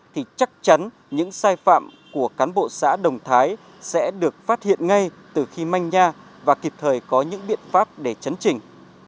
thì chắc chắn những sai phạm của cán bộ xã đồng thái sẽ được phát hiện ngay từ khi manh nha và kịp thời có những biện pháp để chấn trình